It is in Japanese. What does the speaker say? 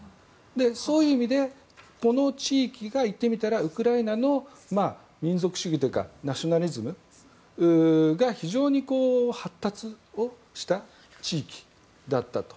そういう意味でこの地域が、言ってみたらウクライナの民族主義というかナショナリズムが非常に発達した地域だったと。